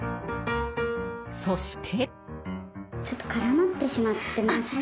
そして。